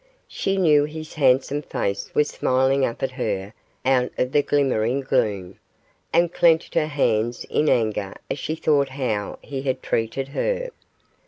She knew his handsome face was smiling up at her out of the glimmering gloom, and clenched her hands in anger as she thought how he had treated her.